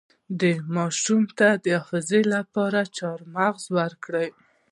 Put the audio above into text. د ماشوم د حافظې لپاره څلور مغز ورکړئ